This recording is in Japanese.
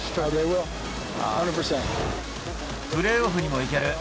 プレーオフにもいける。